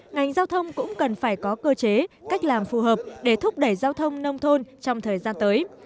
ngành giao thông cũng cần phải có cơ chế cách làm phù hợp để thúc đẩy giao thông nông thôn trong thời gian tới